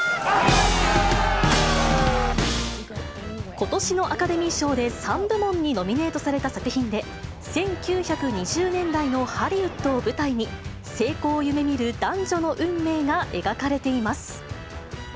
ことしのアカデミー賞で３部門にノミネートされた作品で、１９２０年代のハリウッドを舞台に、成功を夢みる男女の運命が描かれています。